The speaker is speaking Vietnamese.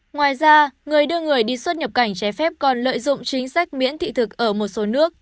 ngoài ra người đưa người đi xuất nhập cảnh trái phép còn lợi dụng chính sách miễn thị thực ở một số nước